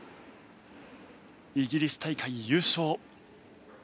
イギリス大会、優勝。